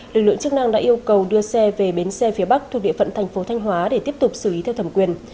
lực lượng chức năng đã yêu cầu đưa xe về bến xe phía bắc thuộc địa phận thành phố thanh hóa để tiếp tục xử lý theo thẩm quyền